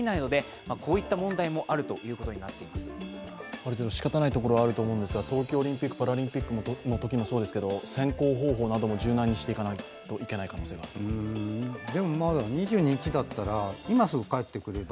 ある程度、しかたないところはあると思いますが東京オリンピック・パラリンピックのときもそうでしたが選考方法なども柔軟にしていかないといけない可能性がでもまだ２２日だったら、今すぐ帰ってくれば